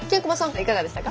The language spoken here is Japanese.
いかがでしたか？